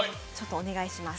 お願いします。